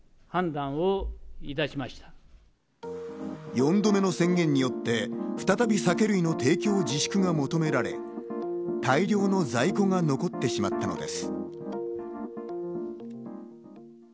４度目の宣言によって再び酒類の提供自粛が求められ、大量の在庫が残ってしまったのです。